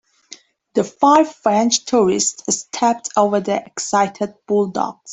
The five French tourists stepped over the excited bulldogs.